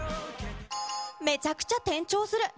めちゃくちゃ転調する。